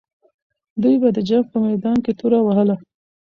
دوی به د جنګ په میدان کې توره وهله.